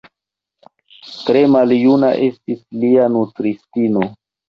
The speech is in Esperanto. Tre maljuna estis lia nutristino.